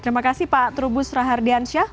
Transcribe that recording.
terima kasih pak trubus rahardiansyah